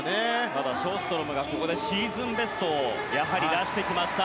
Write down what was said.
ただショーストロムがここでシーズンベストを出しました。